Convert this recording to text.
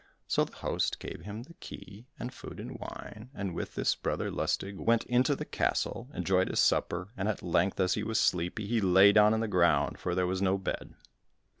So the host gave him the key, and food and wine, and with this Brother Lustig went into the castle, enjoyed his supper, and at length, as he was sleepy, he lay down on the ground, for there was no bed.